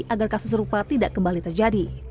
agar kasus serupa tidak kembali terjadi